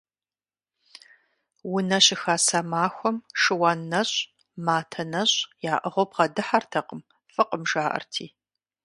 Унэ щыхаса махуэм шыуан нэщӀ, матэ нэщӀ яӀыгъыу бгъэдыхьэртэкъым, фӀыкъым, жаӀэрти.